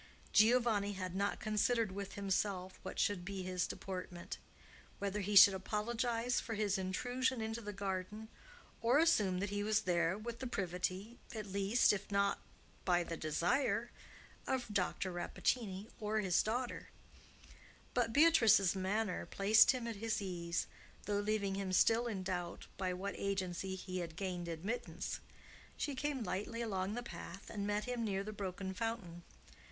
Giovanni had not considered with himself what should be his deportment; whether he should apologize for his intrusion into the garden, or assume that he was there with the privity at least, if not by the desire, of Dr. Rappaccini or his daughter; but Beatrice's manner placed him at his ease, though leaving him still in doubt by what agency he had gained admittance. She came lightly along the path and met him near the broken fountain.